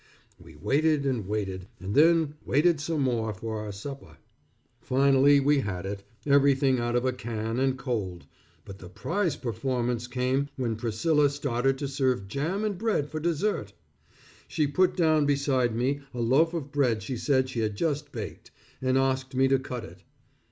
We waited, and waited, and then waited some more for our supper. Finally, we had it, everything out of a can and cold, but the prize performance came when Priscilla started to serve jam and bread for dessert. She put down beside me, a loaf of bread she said she had just baked, and asked me to cut it.